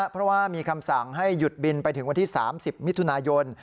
เพราะว่ามีคำสั่งให้หยุดบินไปถึงวันที่๓๐มิถุนายน